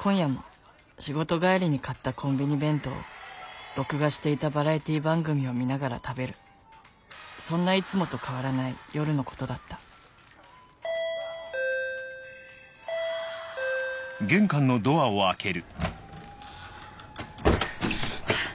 今夜も仕事帰りに買ったコンビニ弁当を録画していたバラエティー番組を見ながら食べるそんないつもと変わらない夜のことだったハァハァハァ。